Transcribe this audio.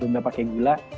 nggak pakai gula